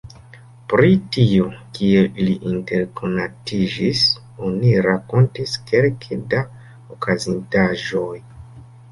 Pri tio, kiel ili interkonatiĝis, oni rakontis kelke da okazintaĵoj.